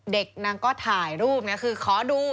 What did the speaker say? เด็กนางก็ถ่ายรูปคือขอดู